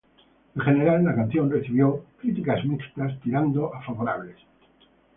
En general, la canción recibió críticas mixtas tirando a favorables.